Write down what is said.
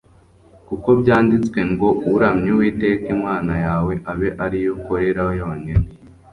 Kuko byanditswe ngo : uramye Uwiteka Imana yawe, abe ariyo ukorera yonyine.»